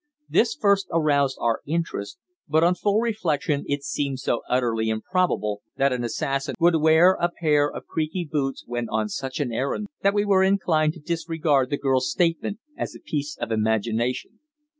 This first aroused our interest, but on full reflection it seemed so utterly improbable that an assassin would wear a pair of creaky boots when on such an errand that we were inclined to disregard the girl's statement as a piece of imagination.